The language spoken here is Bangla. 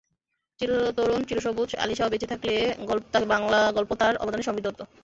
চিরতরুণ, চিরসবুজ আলী শাহ্ বেঁচে থাকলে বাংলা গল্প তাঁর অবদানে সমৃদ্ধ হতো।